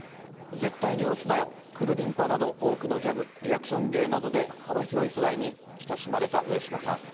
絶対に押すなよ、クルリンパッなど多くのギャグ、リアクション芸などで、幅広い世代に親しまれた上島さん。